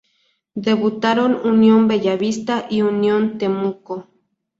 Debutaron Unión Bellavista y Unión Temuco.